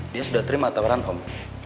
dia sudah terima atawaran om